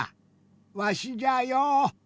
わしじゃよ。